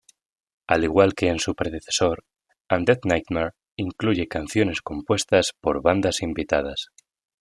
Al igual que en su predecesor, "Undead Nightmare" incluye canciones compuestas por bandas invitadas.